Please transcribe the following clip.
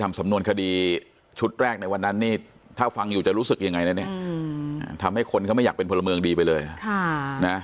สำนวนคดีชุดแรกในวันนั้นนี่ถ้าฟังอยู่จะรู้สึกยังไงแน่ทำให้คนเขาไม่อยากเป็นพลเมืองดีไปเลยนะ